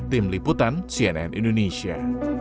tim liputan cnn indonesia